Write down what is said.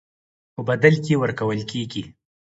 په بدل کې ورکول کېږي.